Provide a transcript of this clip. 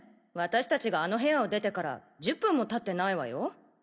私達があの部屋を出てから１０分も経ってないわよ？